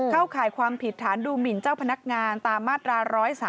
ข่ายความผิดฐานดูหมินเจ้าพนักงานตามมาตรา๑๓